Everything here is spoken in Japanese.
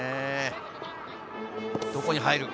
どこに入る？